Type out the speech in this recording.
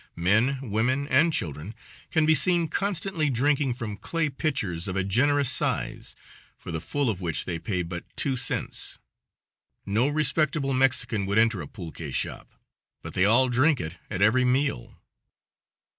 Men, women, and children can be seen constantly drinking from clay pitchers of a generous size, for the full of which they pay but two cents. No respectable Mexican would enter a pulque shop, but they all drink it at every meal.